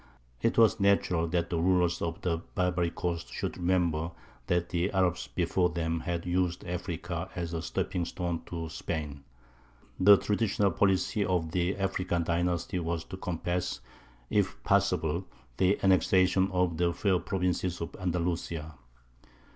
It was natural that the rulers of the Barbary coast should remember that the Arabs before them had used Africa as a stepping stone to Spain; the traditional policy of the African dynasties was to compass, if possible, the annexation of the fair provinces of Andalusia.